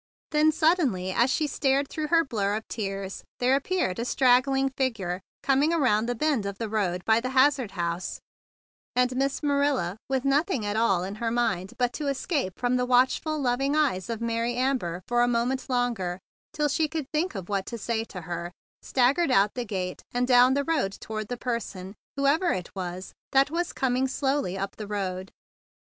Then suddenly, as she stared through her blur of tears, there ap¬ peared a straggling figure, coming 20 THE BIG BLUE SOLDIER around the bend of the road by the Hazard house; and Miss Marilla, with nothing at all in her mind but to escape from the watchful, loving eyes of Mary Amber for a moment longer, till she could think what to say to her, staggered out the gate and down the road toward the person, whoever it was, that was coming slowly up the road.